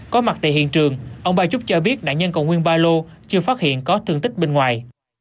có mặt tại hiện trường ông ba trúc cho biết nạn nhân còn nguyên ba lô chưa phát hiện có thương tích bên ngoài